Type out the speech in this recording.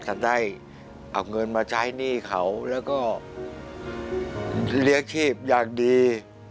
จะได้เอาเงินมาใช้หนี้เขาแล้วก็เลี้ยงชีพอย่างดี